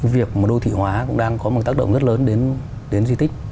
việc mà đô thị hóa cũng đang có một tác động rất lớn đến di tích